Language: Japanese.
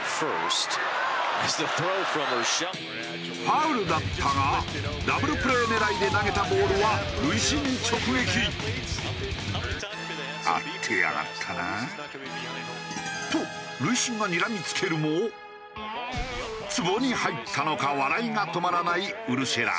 ファウルだったがダブルプレー狙いで投げたボールはと塁審がにらみつけるもツボに入ったのか笑いが止まらないウルシェラ。